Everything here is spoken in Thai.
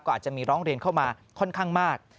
อาจจะมีร้องเรียนเข้ามาค่อนข้างมาก